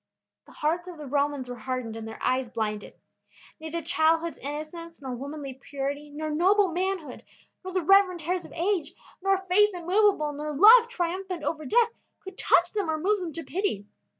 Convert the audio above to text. The hearts of the Romans were hardened and their eyes blinded. Neither childhood's innocence, nor womanly purity, nor noble manhood, nor the reverend hairs of age, nor faith immovable, nor love triumphant over death, could touch them or move them to pity.